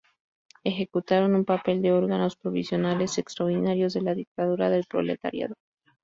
Ejecutaron un papel de órganos provisionales extraordinarios de la dictadura del proletariado.